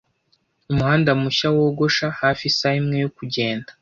Umuhanda mushya wogosha hafi isaha imwe yo kugenda.